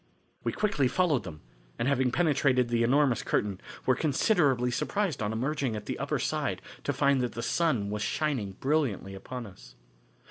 We quickly followed them, and having penetrated the enormous curtain, were considerably surprised on emerging at the upper side to find that the sun was shining brilliantly upon us.